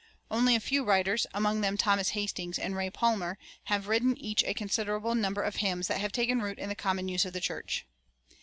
Only a few writers, among them Thomas Hastings and Ray Palmer, have written each a considerable number of hymns that have taken root in the common use of the church.